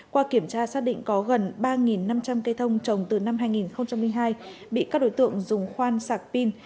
qua kiểm tra xác định có gần ba năm trăm linh cây thông trồng từ năm hai nghìn hai bị các đối tượng dùng khoan sạc pin